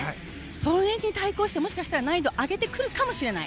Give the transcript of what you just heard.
それに対抗してもしかしたら難易度を上げてくるかもしれない。